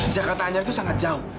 jakarta anyar itu sangat jauh